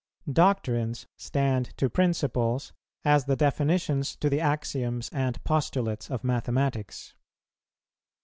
Doctrines stand to principles, as the definitions to the axioms and postulates of mathematics.